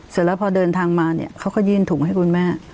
เสร็จแล้วดั่งมาเขาก็ยื่นถุงไปคุณแม่